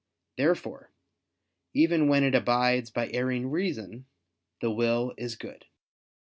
Therefore even when it abides by erring reason, the will is good.